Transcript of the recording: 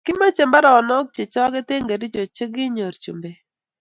Kimache mbaronik che choket en kericho che kichor chumbek